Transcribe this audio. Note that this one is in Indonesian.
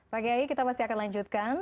pak kiayi kita akan lanjutkan